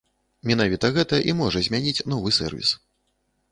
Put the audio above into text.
Менавіта гэта і можа змяніць новы сэрвіс.